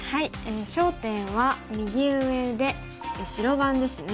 焦点は右上で白番ですね。